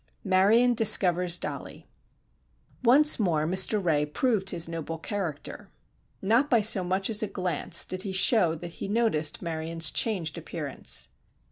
MARION DISCOVERS DOLLIE. Once more Mr. Ray proved his noble character. Not by so much as a glance did he show that he noticed Marion's changed appearance.